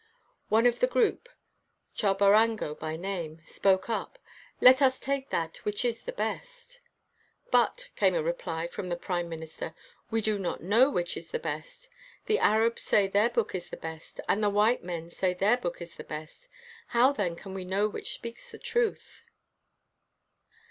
One of the group, Chambarango by name, spoke up: "Let us take that which is the best." "But," came a reply from the prime min ister, "we do not know which is the best. The Arabs say their book is the best, and the white men say their book is the best — 16 INTERVIEW WITH A BLACK KING how then can we know which speaks the truth?"